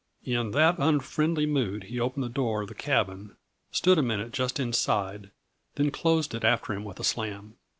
In that unfriendly mood he opened the door of the cabin, stood a minute just inside, then closed it after him with a slam.